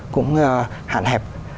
cũng hạn hẹp